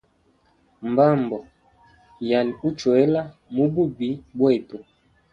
Mbambo ya uchwela mububi bwetu.